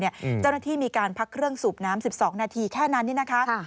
เจ้าหน้าที่มีการพักเครื่องสูบน้ำ๑๒นาทีแค่นั้นนี่นะคะ